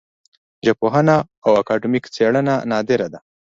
ژبپوهنه او اکاډمیک څېړنه نادره ده